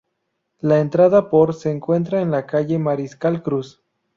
La entrada por se encuentra en la calle Mariscal Cruz.